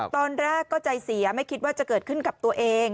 ตอนแรกก็ใจเสียไม่คิดว่าจะเกิดขึ้นกับตัวเอง